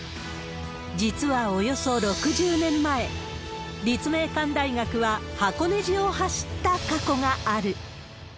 実はおよそ６０年前、立命館大学は箱根路を走った過去がある。